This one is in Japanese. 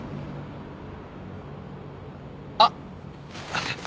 あっ！